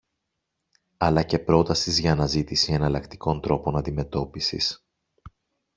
αλλά και πρότασης για αναζήτηση εναλλακτικών τρόπων αντιμετώπισης